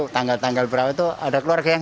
tanggal tanggal berapa itu ada keluarga yang